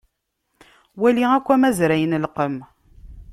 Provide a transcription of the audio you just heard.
Wali akk amazray n lqem.